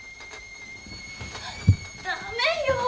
駄目よ！